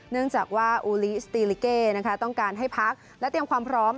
เนื่องจากว่าอูลิสตีลิเกต้องการให้พักและเตรียมความพร้อม